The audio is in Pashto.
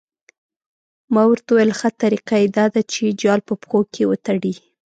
ما ورته وویل ښه طریقه یې دا ده چې جال په پښو کې وتړي.